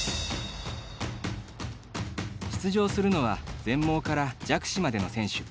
出場するのは全盲から弱視までの選手。